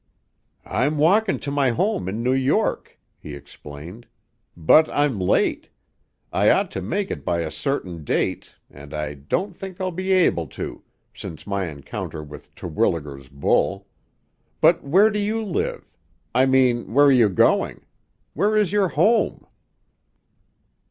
"I'm walking to my home in New York," he explained. "But I'm late; I ought to make it by a certain date, and I don't think I'll be able to, since my encounter with Terwilliger's bull. Where do you live? I mean, where are you going? Where is your home?"